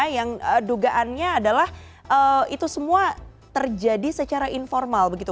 yang dugaannya adalah itu semua terjadi secara informal begitu